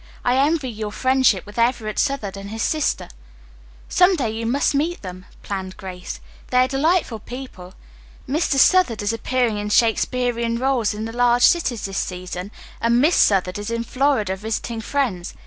"I envy you your friendship with Everett Southard and his sister." "Some day you must meet them," planned Grace. "They are delightful people. Mr. Southard is appearing in Shakespearian roles in the large cities this season, and Miss Southard is in Florida visiting friends.